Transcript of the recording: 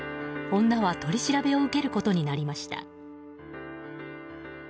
女は取り調べを受けることになりました。